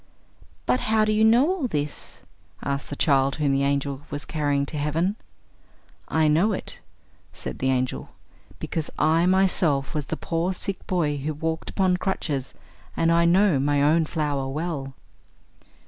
"But how do you know all this?" asked the child whom the angel was carrying to heaven. "I know it," said the angel, "because I myself was the poor sick boy who walked upon crutches, and I know my own flower well."